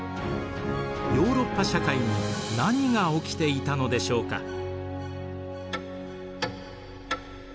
ヨーロッパ社会に何が起きていたのでしょうか。